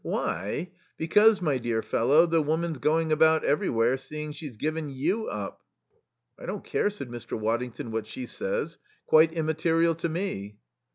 "Why? Because, my dear fellow, the woman's going about everywhere saying she's given you up." "I don't care," said Mr. Waddington, "what she says. Quite immaterial to me."